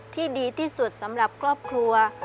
ดีที่สุดสำหรับครอบครัว